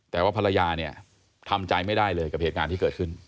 แต่ว่าภรรยาเนี่ยทำใจไม่ได้เลยกับเหตุการณ์ที่เกิดขึ้น